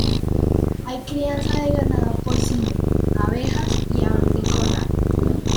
Hay crianza de ganado porcino, abejas y aves de corral.